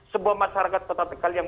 sebuah masyarakat kota tegal yang